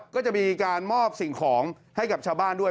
ก็จะมีการมอบสิ่งของให้กับชาวบ้านด้วย